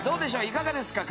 いかがですか？